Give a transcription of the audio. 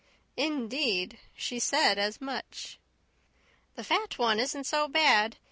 Indeed, she said as much. "The fat one isn't so bad.